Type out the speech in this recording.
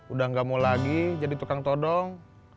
udah gak mau lagi jadi tukang todong